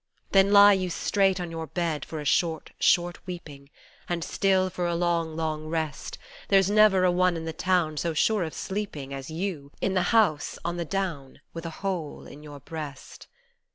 Then lie you straight on your bed for a short, short weeping And still, for a long, long rest, There's never a one in the town so sure of sleeping As you, in the house on the down with a hole in your breast.